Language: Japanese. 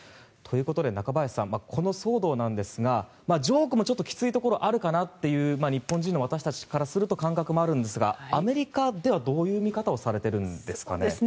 ということで中林さんこの騒動ですがジョークもきついところもあるかなという日本人の私たちからすると感覚的にありますがアメリカではどういう見方をされているんですかね。